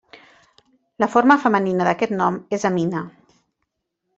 La forma femenina d'aquest nom és Amina.